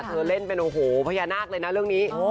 เล่นเป็นโอ้โหพญานาคเลยนะเรื่องนี้